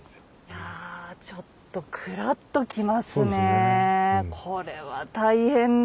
いやちょっとクラッときますね。